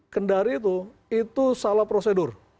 kendari itu salah prosedur